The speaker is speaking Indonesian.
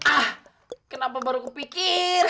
ah kenapa baru kupikir